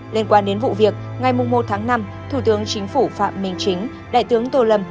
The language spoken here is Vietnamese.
liên quan đến vụ việc ngày một tháng năm thủ tướng chính phủ phạm minh chính đại tướng tô lâm